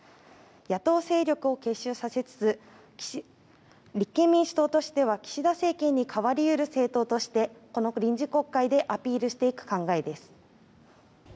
野党勢力を結集させつつ立憲民主党としては岸田政権に代わり得る政党としてこの臨時国会でアピールしていく考えです。